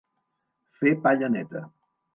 Fer palla neta.